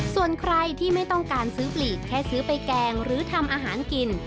ส่วนใครที่ไม่ต้องการซื้อปลีกแค่ซื้อไปแกงหรือทำอาหารกิน